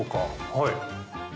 はい。